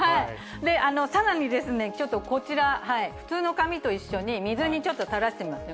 さらに、ちょっとこちら、普通の紙と一緒に、水にちょっと垂らしてみますね。